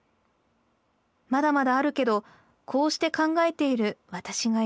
まだまだあるけどこうして考えている『わたし』がいる。